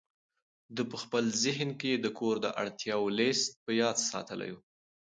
ده په خپل ذهن کې د کور د اړتیاوو لست په یاد ساتلی و.